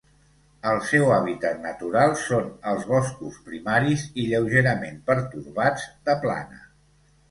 El seu hàbitat natural són els boscos primaris i lleugerament pertorbats de plana.